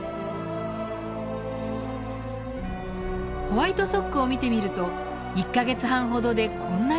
ホワイトソックを見てみると１か月半ほどでこんなに大きくなっています。